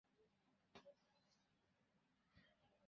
আমি অত দীর্ঘকালের জন্য ভাবতে পারি না।